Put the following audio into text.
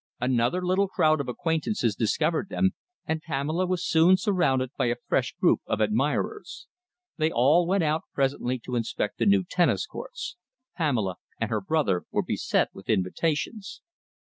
Another little crowd of acquaintances discovered them, and Pamela was soon surrounded by a fresh group of admirers. They all went out presently to inspect the new tennis courts. Pamela and her brother were beset with invitations.